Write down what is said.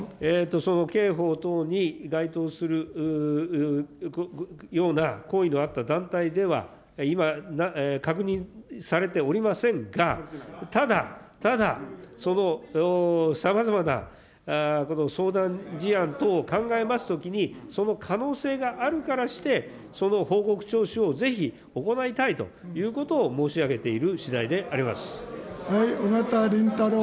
その刑法等に該当するような行為のあった団体では、今、確認されておりませんが、ただ、ただ、そのさまざまなこの相談事案等を考えますときに、その可能性があるからして、その報告徴収をぜひ行いたいということを申し上げているしだいで緒方林太郎君。